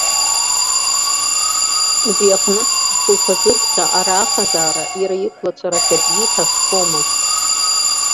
Убри аҟнытә, хәылԥазыҵәҟьа ара аҟазаара иара иқәлацәа рахь аӡәгьы иҭаххомызт.